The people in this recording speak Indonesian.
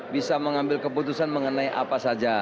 bisa mengambil keputusan mengenai apa saja